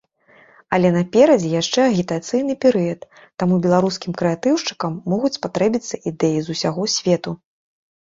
Але наперадзе яшчэ агітацыйны перыяд, таму беларускім крэатыўшчыкам могуць спатрэбіцца ідэі з усяго свету.